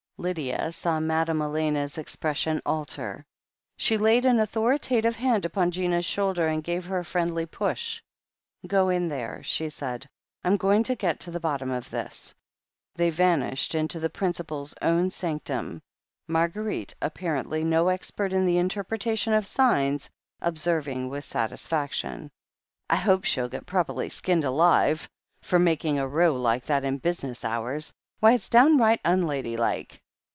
Lydia saw Madame Elena's expression alter. She laid an authoritative hand upon Gina's shoulder, and gave her a friendly push. "Go in there," she said. "I'm going to get to the bottom of this." They vanished into the principal's own sanctum. Marguerite, apparently no expert in the interpretation of signs, observing with satisfaction: "I hope she'll get properly skinned alive for making THE HEEL OF ACHILLES 133 a row like that in business hours. Why, it's downright unladylike."